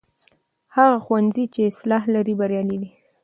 هغه ښوونځی چې اصلاح لري بریالی دی.